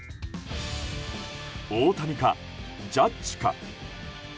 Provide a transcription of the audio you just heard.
大谷か、ジャッジか。